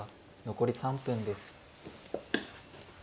残り３分です。